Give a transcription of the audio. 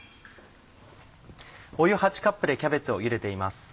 湯８カップでキャベツを茹でています。